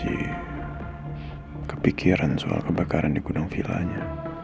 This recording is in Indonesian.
tidak ada yang pasti yang bisa dibikirin tentang kebakaran di gunung villanya